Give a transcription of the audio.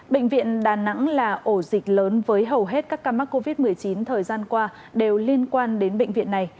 bệnh viện đà nẵng là ổ dịch lớn với hầu hết các ca mắc covid một mươi chín thời gian qua đều liên quan đến bệnh viện này